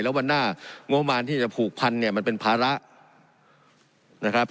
แล้ววันหน้างบมารที่จะผูกพันเนี่ยมันเป็นภาระนะครับ